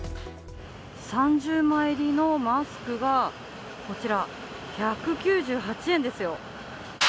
３０枚入りのマスクが、こちら１９８円ですよ。